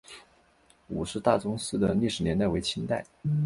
伍氏大宗祠的历史年代为清代。